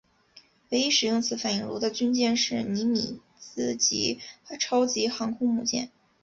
唯一使用此反应炉的军舰是尼米兹级超级航空母舰。